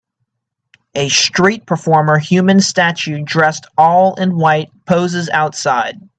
A street performer human statue dressed all in white poses outside.